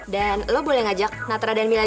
dan lo boleh ngajak natra dari sini